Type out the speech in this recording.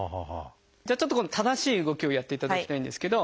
じゃあちょっと今度正しい動きをやっていただきたいんですけど。